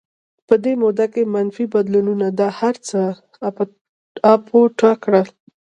په دې موده کې منفي بدلونونو دا هرڅه اپوټه کړل